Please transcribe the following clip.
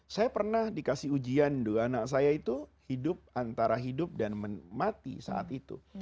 saya pernah dikasih ujian dulu anak saya itu hidup antara hidup dan mati saat itu